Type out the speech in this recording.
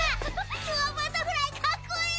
キュアバタフライかっこいい！